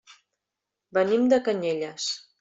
Venim de Canyelles.